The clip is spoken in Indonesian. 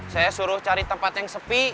saya suruh cari tempat yang sepi